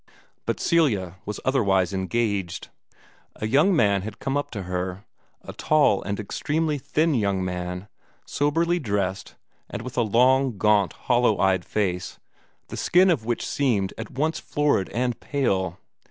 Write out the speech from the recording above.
But Celia was otherwise engaged. A young man had come up to her a tall and extremely thin young man, soberly dressed, and with a long, gaunt, hollow eyed face, the skin of which seemed at once florid and pale.